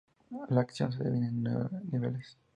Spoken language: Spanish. La acción de divide en nueve niveles.